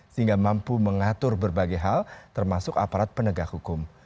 sehingga mampu mengatur berbagai hal termasuk aparat penegak hukum